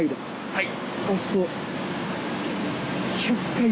はい。